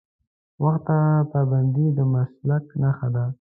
وخت ته پابندي د مسلک نښه ده.